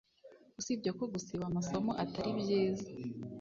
usibye ko gusiba amasomo atari byiza